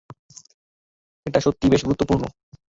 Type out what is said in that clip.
এটা সত্যিই বেশ গুরুত্বপূর্ণ!